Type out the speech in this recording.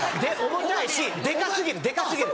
重たいしデカ過ぎるデカ過ぎる。